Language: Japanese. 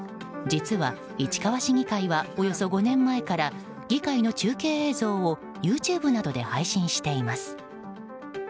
実は、市川市議会はおよそ５年前から議会の中継映像をＹｏｕＴｕｂｅなどで配信しています。